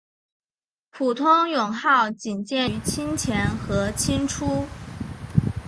普通勇号仅见于清前和清初。